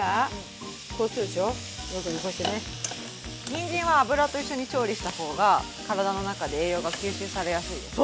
にんじんは油と一緒に調理した方が体の中で栄養が吸収されやすいです。